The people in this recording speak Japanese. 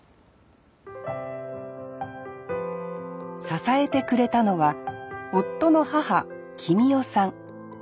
支えてくれたのは夫の母記美代さん。